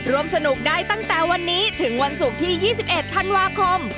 ร่วมสนุกได้ตั้งแต่วันนี้ถึงวันศุกร์ที่๒๑ธันวาคม